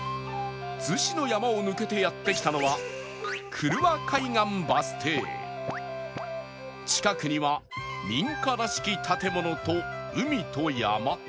子の山を抜けてやって来たのは久留和海岸バス停近くには民家らしき建物と海と山